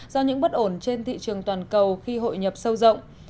do những bất ổn trên thị trường toàn cầu khi hội nhập sâu rộng